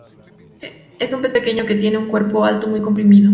Es un pez pequeño que tiene un cuerpo alto muy comprimido.